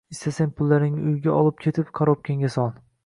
Istasang pullaringni uyga olib ketib korobkanga sol